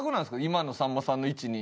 今のさんまさんの位置に。